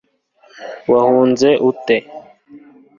wahunze ute